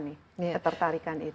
nih ketertarikan itu